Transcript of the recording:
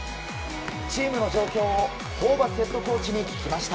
チームの状況をホーバスヘッドコーチに聞きました。